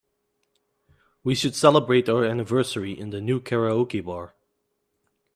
We should celebrate our anniversary in the new karaoke bar.